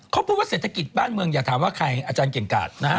เขาพูดว่าเศรษฐกิจบ้านเมืองอย่าถามว่าใครอาจารย์เก่งกาดนะฮะ